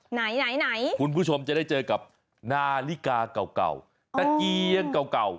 ไหนไหนคุณผู้ชมจะได้เจอกับนาฬิกาเก่าตะเกียงเก่า